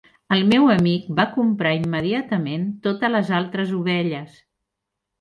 El meu amic va comprar immediatament totes les altres ovelles.